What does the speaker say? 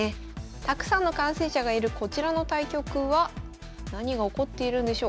たくさんの観戦者がいるこちらの対局は何が起こっているんでしょう？